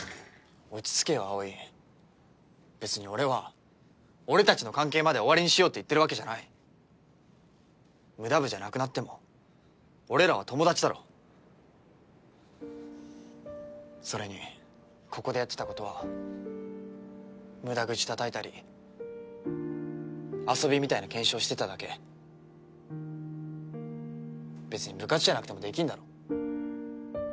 落ち着けよ葵別に俺は俺たちの関係まで終わりにしようって言ってるわけじゃないムダ部じゃなくなっても俺らは友達だろそれにここでやってたことは無駄口たたいたり遊びみたいな検証してただけ別に部活じゃなくてもできんだろ